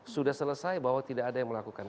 sudah selesai bahwa tidak ada yang melakukan